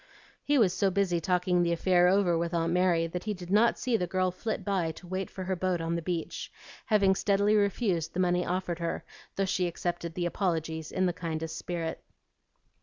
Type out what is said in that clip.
He was so busy talking the affair over with Aunt Mary that he did not see the girl flit by to wait for her boat on the beach, having steadily refused the money offered her, though she accepted the apologies in the kindest spirit.